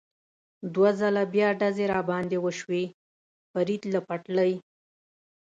دوه ځله بیا ډزې را باندې وشوې، فرید له پټلۍ.